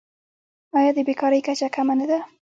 آیا د بیکارۍ کچه کمه نه ده؟